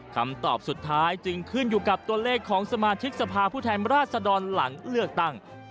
คำตอบสุดท้ายจึงขึ้นอยู่กับตัวเลขของสมาชิกสภาพผู้แทนราชดรหลังเลือกตั้ง